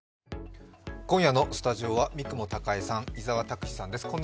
今夜のスタジオは三雲孝江さん、伊沢拓司さんです。